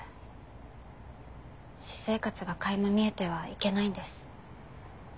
私生活が垣間見えてはいけないんです。